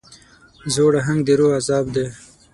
زوړ اهنګ د روح عذاب دی.